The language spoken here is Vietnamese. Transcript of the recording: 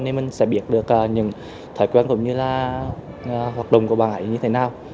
nên mình sẽ biết được những thói quen cũng như là hoạt động của bạn như thế nào